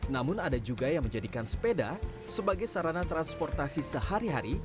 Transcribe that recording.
namun ada juga yang menjadikan sepeda sebagai sarana transportasi sehari hari